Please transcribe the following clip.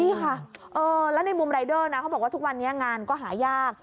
นี่ค่ะแล้วในมุมรายเดอร์นะเขาบอกว่าทุกวันนี้งานก็หายาก